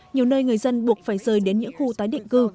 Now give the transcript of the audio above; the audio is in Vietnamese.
nhiều nơi người dân buộc phải rời đến những khu tái định cư